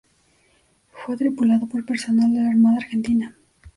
Fue tripulado por personal de la Armada Argentina.